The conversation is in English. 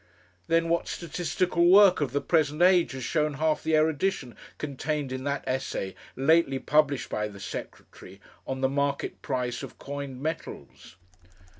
Then what statistical work of the present age has shown half the erudition contained in that essay lately published by the secretary on The Market Price of Coined Metals?